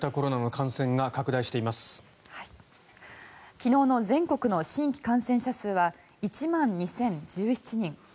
昨日の全国の新規感染者数は１万２０１７人。